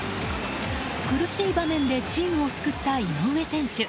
苦しい場面でチームを救った井上選手。